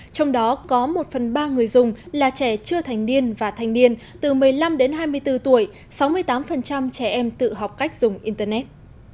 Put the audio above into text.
trong đó có một phần ba người dùng là trẻ chưa thành niên và thanh niên từ một mươi năm đến hai mươi bốn tuổi sáu mươi tám trẻ em tự học cách dùng internet